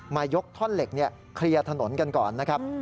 ยกท่อนเหล็กเคลียร์ถนนกันก่อนนะครับ